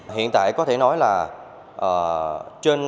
hiện tại có thể nói là trên năm mươi năm triệu người việt nam